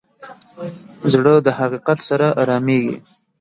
زړه د حقیقت سره ارامېږي.